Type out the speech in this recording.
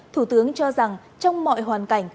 thủ tướng cho rằng trong mọi hoàn cảnh